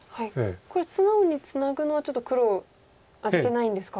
これ素直にツナぐのはちょっと黒味気ないんですか。